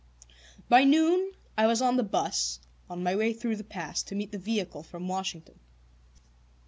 By noon I was on the bus, on my way through the pass, to meet the vehicle from Washington.